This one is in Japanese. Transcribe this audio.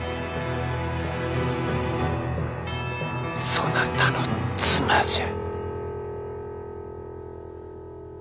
そなたの妻じゃ。